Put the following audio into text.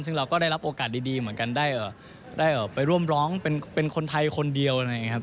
ซึ่งเราก็ได้รับโอกาสดีเหมือนกันได้ไปร่วมร้องเป็นคนไทยคนเดียวอะไรอย่างนี้ครับ